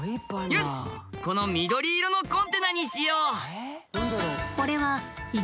よしこの緑色のコンテナにしよう！